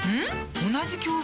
同じ教材？